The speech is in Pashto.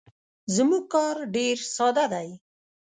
زموږ کار ډیر ساده دی.